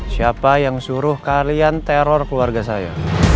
siapa yang suruh kalian teror keluarga saya